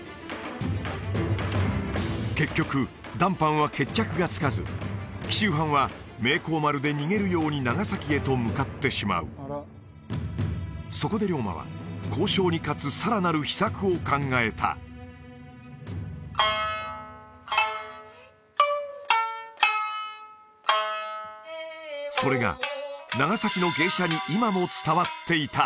結局談判は決着がつかず紀州藩は明光丸で逃げるように長崎へと向かってしまうそこで龍馬は交渉に勝つさらなる秘策を考えたそれが長崎の芸者に今も伝わっていた